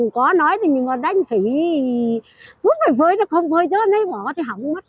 cũng phải phơi không phơi cho lấy bỏ thì hỏng mất